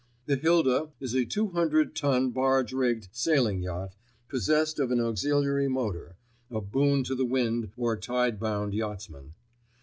The Hilda is a 200 ton barge rigged, sailing yacht, possessed of an auxiliary motor; a boon to the wind or tide bound yachtsman.